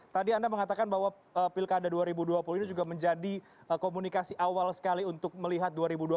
tadi anda mengatakan bahwa pilkada dua ribu dua puluh ini juga menjadi komunikasi awal sekali untuk melihat dua ribu dua puluh